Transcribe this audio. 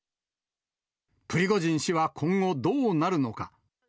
プリゴジン氏は今後どうなるのか。